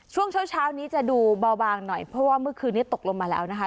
ช่วงเช้าเช้านี้จะดูเบาบางหน่อยเพราะว่าเมื่อคืนนี้ตกลงมาแล้วนะคะ